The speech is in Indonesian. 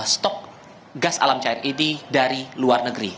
stok gas alam cair ini dari luar negeri